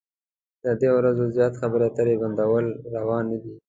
له درې ورځو زيات خبرې اترې بندول روا نه ده.